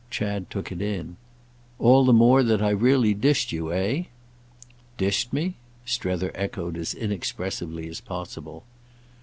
Chad took it in. "All the more that I've really dished you, eh?" "Dished me?" Strether echoed as inexpressively as possible.